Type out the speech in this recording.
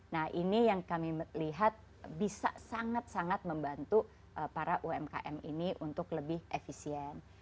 nah ini yang kami lihat bisa sangat sangat membantu para umkm ini untuk lebih efisien